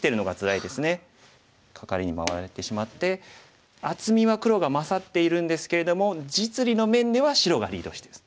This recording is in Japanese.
カカリに回られてしまって厚みは黒が勝っているんですけれども実利の面では白がリードしてるんです。